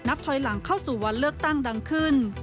ถอยหลังเข้าสู่วันเลือกตั้งดังขึ้น